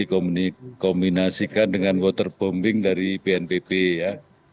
kemudian dikombinasikan dengan waterbombing dari pnpb ya